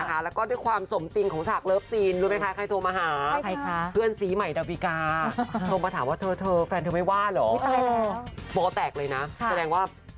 แล้วก็ด้วยความสมจริงของฉากเลิฟซีนรู้ไหมคะใครโทรมาหา